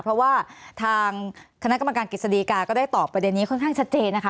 เพราะว่าทางคณะกรรมการกฤษฎีกาก็ได้ตอบประเด็นนี้ค่อนข้างชัดเจนนะคะ